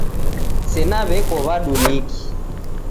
Sena weko wadumiki